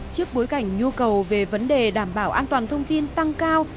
trước bối cảnh nhu cầu về vấn đề đảm bảo an toàn thông tin tăng cao